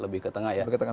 lebih ke tengah ya